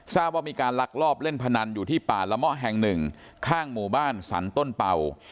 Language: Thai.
ว่ามีการลักลอบเล่นพนันอยู่ที่ป่าละเมาะแห่งหนึ่งข้างหมู่บ้านสรรต้นเป่า